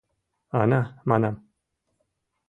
Ана, манам!